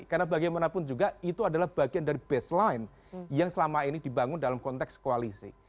karena bagaimanapun juga itu adalah bagian dari baseline yang selama ini dibangun dalam konteks koalisi